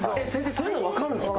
そういうのもわかるんですか？